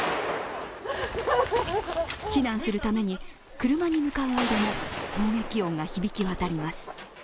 避難するために車に向かう間も砲撃音が響き渡ります。